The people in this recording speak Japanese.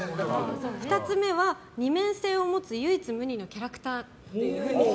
２つ目は、二面性を持つ唯一無二のキャラクター。